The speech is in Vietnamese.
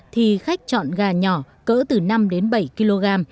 thì khách chọn gà nhỏ cỡ từ năm đến bảy kg